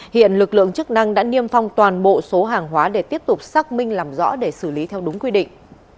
hiện lực lượng chức năng đã niêm phong toàn bộ số hàng hóa để tiếp tục xác minh làm rõ để xử lý theo đúng quy định